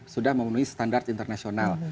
sudah memenuhi standar internasional